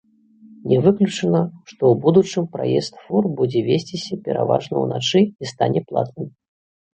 Не выключана, што ў будучым праезд фур будзе весціся пераважна ўначы і стане платным.